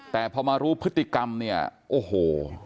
แต่พอมารู้พฤติกรรมเนี่ยโอ้โห